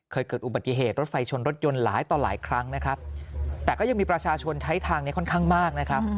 เกิดอุบัติเหตุรถไฟชนรถยนต์หลายต่อหลายครั้งนะครับแต่ก็ยังมีประชาชนใช้ทางนี้ค่อนข้างมากนะครับ